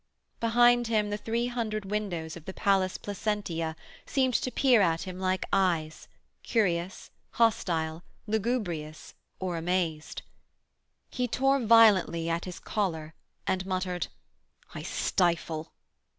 Behind him the three hundred windows of the palace Placentia seemed to peer at him like eyes, curious, hostile, lugubrious or amazed. He tore violently at his collar and muttered: 'I stifle.'